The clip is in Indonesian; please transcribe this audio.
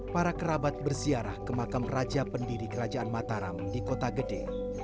para kerabat bersiarah ke makam raja pendiri kerajaan mataram di kota gede